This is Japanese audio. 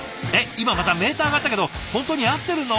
今またメーター上がったけど本当に合ってるの？」